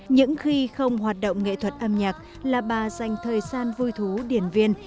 những khi không hoạt động nghệ thuật âm nhạc là bà dành thời gian vui thú điển viên